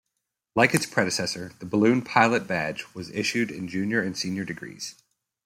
Like its predecessor, the Balloon Pilot Badge was issued in junior and senior degrees.